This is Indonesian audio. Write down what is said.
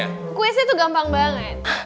jadi kuisnya tuh gampang banget